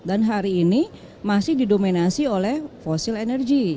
dan hari ini masih didominasi oleh fosil energi